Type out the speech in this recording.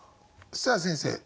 さあ先生。